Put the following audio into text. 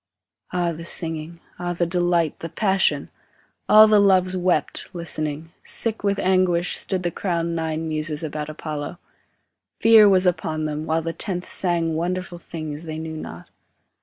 Ah the singing, ah the delight, the passion! All the Loves wept, listening; sick with anguish, Stood the crowned nine Muses about Apollo; Fear was upon them, While the tenth sang wonderful things they knew not.